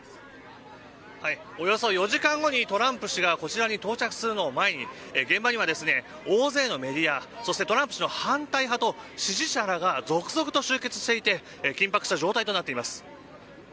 およそ４時間後にトランプ氏がこちらに到着するのを前に現場にはですね大勢のメディアトランプ氏の反対派と支持者らが続々と集結していて緊迫した状態で待っています。